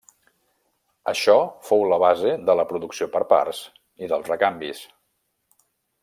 Això fou la base de la producció per parts i dels recanvis.